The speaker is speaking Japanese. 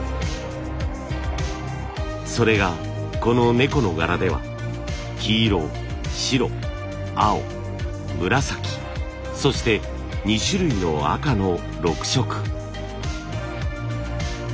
それがこの猫の柄では黄色白青紫そして２種類の赤の６色。